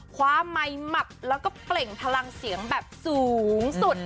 ไมค์หมับแล้วก็เปล่งพลังเสียงแบบสูงสุด